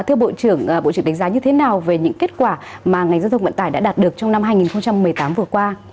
thưa bộ trưởng bộ trưởng đánh giá như thế nào về những kết quả mà ngành giao thông vận tải đã đạt được trong năm hai nghìn một mươi tám vừa qua